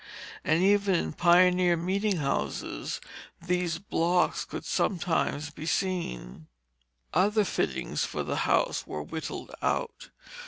And even in pioneer meeting houses these blocks could sometimes be seen. Other fittings for the house were whittled out.